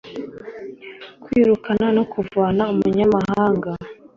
kwirukana no kuvana umunyamahanga